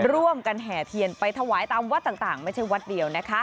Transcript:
แห่เทียนไปถวายตามวัดต่างไม่ใช่วัดเดียวนะคะ